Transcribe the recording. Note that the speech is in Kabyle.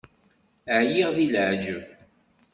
Ԑyiɣ d leεǧeb.